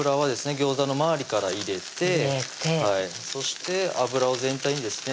ギョーザの周りから入れてそして油を全体にですね